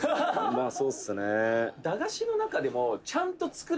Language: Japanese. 「まあそうっすね」